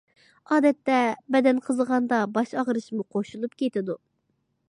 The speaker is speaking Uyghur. ئادەتتە بەدەن قىزىغاندا باش ئاغرىشمۇ قوشۇلۇپ كېلىدۇ.